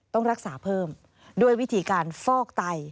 ต้องรักษาเพิ่มด้วยวิธีการฟอกไต